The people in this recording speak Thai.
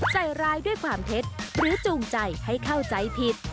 ใจร้ายด้วยความเท็จหรือจูงใจให้เข้าใจผิด